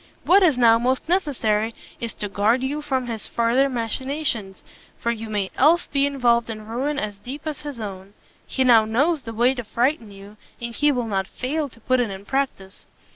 What is now most necessary is to guard you from his further machinations, for you may else be involved in ruin as deep as his own. He now knows the way to frighten you, and he will not fail to put it in practice."